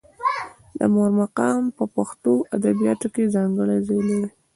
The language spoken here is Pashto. د مور مقام په پښتو ادبیاتو کې ځانګړی ځای لري.